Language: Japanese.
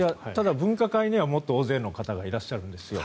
分科会にはもっと大勢の方がいらっしゃるんですよ。